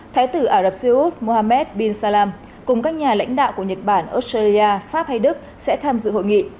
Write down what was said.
thái tử ả rập xê út mohammed bin salam cùng các nhà lãnh đạo của nhật bản australia pháp hay đức sẽ tham dự hội nghị